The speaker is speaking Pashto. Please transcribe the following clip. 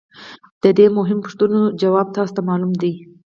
د دې مهمو پوښتنو ځواب تاسو ته معلوم دی